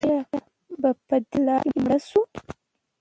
یا به په دې لاره کې مړه شو.